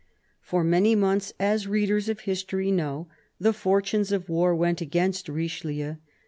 For many months, as readers of history know, the fortune of war went against Richelieu.